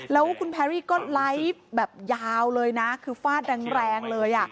แล้วคุณแพรรี่ก็ไลฟ์แบบยาวเลยนะคือฟาดแรงเลย